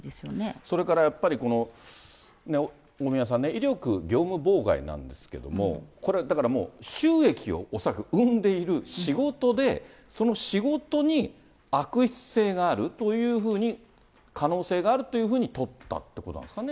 それからやっぱり、この大宮さんね、威力業務妨害なんですけど、これ、だからもう、収益を恐らく生んでいる仕事で、その仕事に悪質性があるというふうに、可能性があるというふうに取ったってことなんですかね？